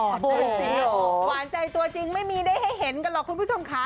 หวานใจตัวจริงไม่มีได้ให้เห็นกันหรอกคุณผู้ชมค่ะ